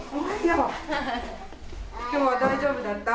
きょうは大丈夫だった。